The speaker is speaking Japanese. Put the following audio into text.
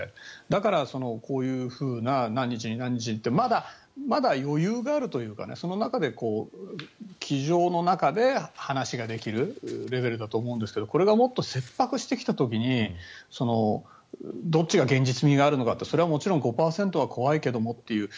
だからこういうふうな何日に何日にってまだ余裕があるというかその中で机上の中で話ができるレベルだと思うんですがこれがもっと切迫してきた時にどっちが現実味があるのかってそれはもちろん５％は怖いけどもって。